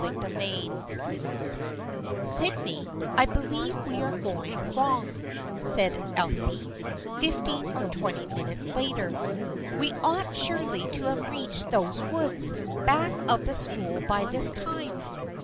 CHAPTER IX " O YDNEY, I believe we are going wrong," said w3 Elsie, fifteen or twenty minutes later. " We ought surely to have reached those woods back of the school by this time."